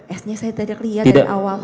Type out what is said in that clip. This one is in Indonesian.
esnya saya tadi lihat dari awal